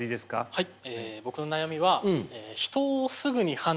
はい。